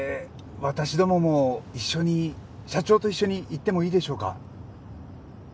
私どもも一緒に社長と一緒に行ってもいいでしょうか？